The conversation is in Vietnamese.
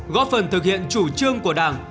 góp phần thực hiện chủ trương của đảng